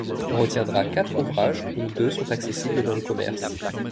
On retiendra quatre ouvrages, dont deux sont accessibles dans le commerce.